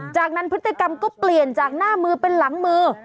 จากนั้นพฤติกรรมก็เปลี่ยนจากหน้ามือเป็นหลังมือ